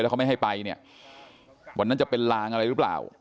แล้วเขาไม่ให้ไปวันนั้นจะเป็นลางอะไรหรือเปล่า